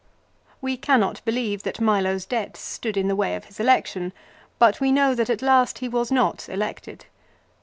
We cannot believe that Milo's debts stood in the way of his election, but we know that at last he was not elected.